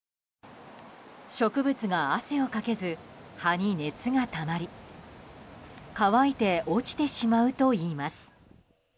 植物が汗をかけず葉に熱がたまり乾いて落ちてしまうといいます。